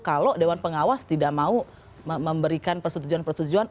kalau dewan pengawas tidak mau memberikan persetujuan persetujuan